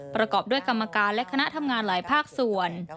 ประกอบด้วยกรรมการและคณะทำงานหลายภาคส่วน